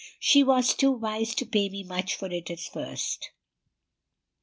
She was too wise to pay me much for it at first.